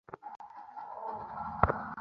তারা আমাকে এখানে খুব একটা পছন্দ করে না।